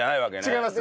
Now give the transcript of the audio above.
違います。